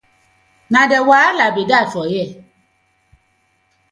Na de wahala bi dat for here.